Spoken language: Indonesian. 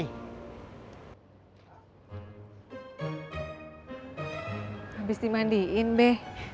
habis dimandiin be